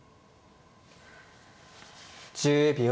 １０秒。